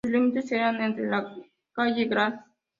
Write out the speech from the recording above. Sus límites eran entre la calle "Gral.